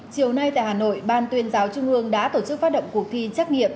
chiều nay tại hà nội ban tuyên giáo trung ương đã tổ chức phát động cuộc thi trắc nghiệm